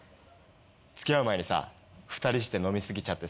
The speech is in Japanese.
付き合う前にさ２人して飲み過ぎちゃってさ